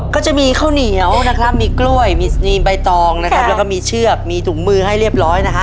ก็จะมีข้าวเหนียวนะครับมีกล้วยมีสนีมใบตองนะครับแล้วก็มีเชือกมีถุงมือให้เรียบร้อยนะฮะ